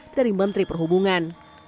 dari menteri perhubungan